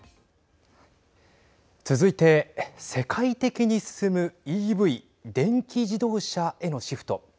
続いて世界的に進むＥＶ＝電気自動車へのシフト。